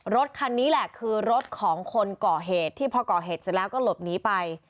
รถคันนี้แหละคือรถของคนก่อเหตุที่พอก่อเหตุเสร็จแล้วก็หลบหนีไป